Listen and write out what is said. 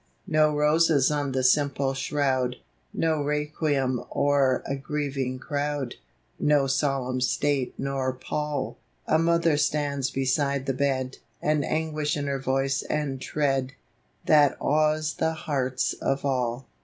No roses on the simple shroud; No requiem o'er a grieving crowd; No solemn state nor pall. A mother stauds beside the bed, An anguish in her voice and tread, That awes the hearts of all.